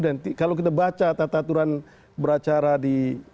dan kalau kita baca tata aturan beracara di